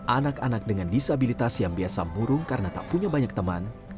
anak anak dengan disabilitas yang biasa murung karena tak punya banyak teman